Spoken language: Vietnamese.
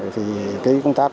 vì cái công tác